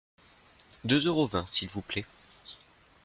Deux euros vingt, s’il vous plaît.